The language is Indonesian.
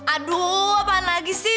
aduuuh apaan lagi sih